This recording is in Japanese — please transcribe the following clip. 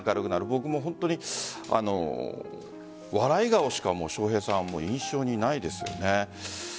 僕も本当に笑い顔しか笑瓶さんは印象にないですよね。